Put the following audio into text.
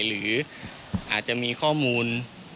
หรืออาจจะมีข้อมูล